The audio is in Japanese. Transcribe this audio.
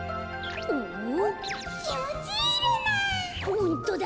ホントだ